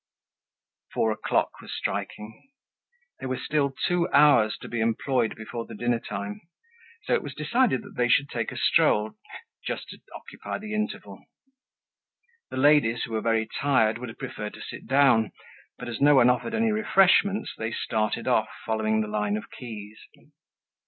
Four o'clock was striking. There were still two hours to be employed before the dinner time, so it was decided they should take a stroll, just to occupy the interval. The ladies, who were very tired, would have preferred to sit down; but, as no one offered any refreshments, they started off, following the line of quays.